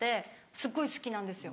すっごい好きなんですよ